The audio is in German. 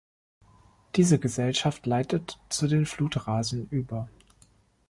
Diese Gesellschaft leitet zu den Flutrasen über.